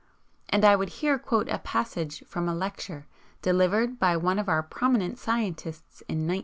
And I would here quote a passage from a lecture delivered by one of our prominent scientists in 1904.